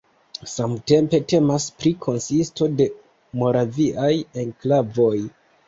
Samtempe temas pri konsisto de Moraviaj enklavoj.